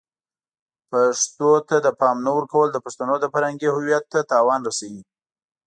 پښتو ته د پام نه ورکول د پښتنو د فرهنګی هویت ته تاوان رسوي.